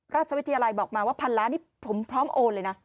ราชวิทยาลัยบอกมาว่าพันล้านนี่ผมพร้อมโอนเลยนะ